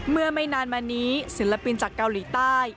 ไม่นานมานี้ศิลปินจากเกาหลีใต้